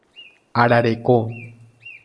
Arareko